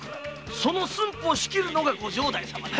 その駿府を仕切るのがご城代様よ。